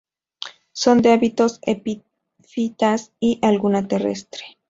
Son de hábitos epífitas y alguna terrestre.